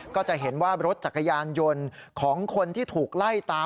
ก็จะเห็นว่ารถจักรยานยนต์ของคนที่ถูกไล่ตาม